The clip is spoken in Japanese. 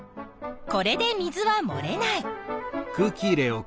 これで水はもれない。